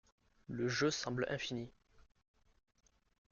Le jeu semble infini.